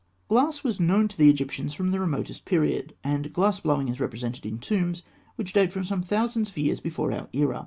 ] Glass was known to the Egyptians from the remotest period, and glass blowing is represented in tombs which date from some thousands of years before our era (fig.